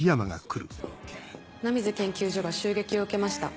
奈水研究所が襲撃を受けました。